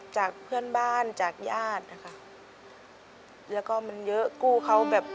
จากเพื่อนบ้านจากญาตินะคะแล้วก็มันเยอะกู้เขาแบบ